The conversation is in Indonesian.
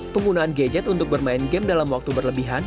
penggunaan gadget untuk bermain game dalam waktu berlebihan